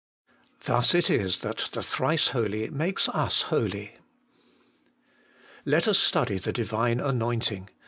Thus it is that the Thrice Holy makes us holy. Let us study the Divine anointing.